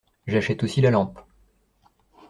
J’achète aussi la lampe.